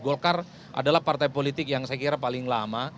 golkar adalah partai politik yang saya kira paling lama